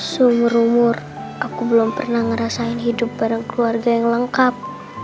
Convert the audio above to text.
seumur umur aku belum pernah ngerasain hidup bareng keluarga yang lengkap